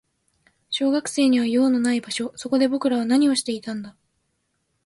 小学生には用のない場所。そこで僕らは何をしていたんだ。